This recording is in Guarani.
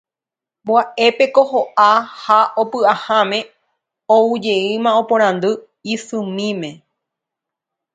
pya'épeko ho'a ha opu'ãháme oujeýma oporandu isymíme.